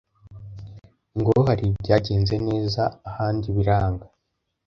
ngo hari ibyagenze neza ahandi biranga